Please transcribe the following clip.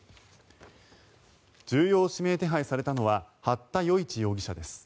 重要指名手配されたのは八田與一容疑者です。